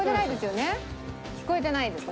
聞こえてないですよね？